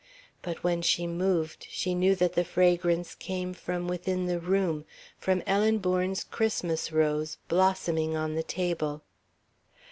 But when she moved, she knew that the fragrance came from within the room, from Ellen Bourne's Christmas rose, blossoming on the table....